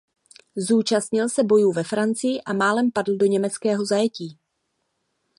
Zúčastnil se bojů ve Francii a málem padl do německého zajetí.